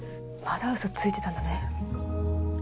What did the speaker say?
まだウソついてたんだね。